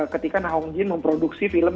ketika na hongjin memproduksi film